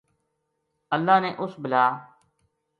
اللہ نے اس بلا